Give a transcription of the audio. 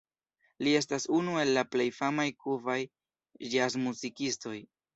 Li estas unu el la plej famaj kubaj ĵazmuzikistoj.